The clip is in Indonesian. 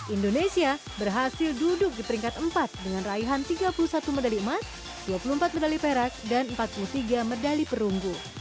indonesia berhasil duduk di peringkat empat dengan raihan tiga puluh satu medali emas dua puluh empat medali perak dan empat puluh tiga medali perunggu